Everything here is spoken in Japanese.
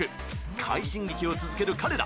快進撃を続ける彼ら。